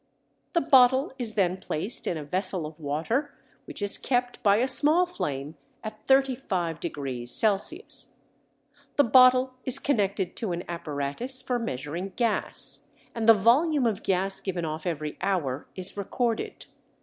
The bottle is then placed in a vessel of water which is kept by a small flame at 35° C. The bottle is connected to an apparatus for measuring gas, and the volume of gas given off every hour is recorded.